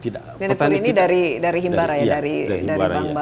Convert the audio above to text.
dan kur ini dari himbaraya dari bank bank